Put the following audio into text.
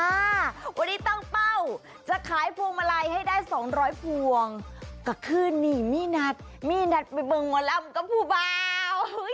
วันนี้ตั้งเป้าจะขายพวงมาลัยให้ได้สองร้อยพวงก็ขึ้นนี่มีนัดมีนัดไปเบิ้งหมอลำกับผู้เบา